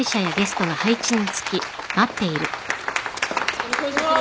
よろしくお願いします。